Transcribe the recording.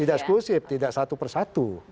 tidak eksklusif tidak satu persatu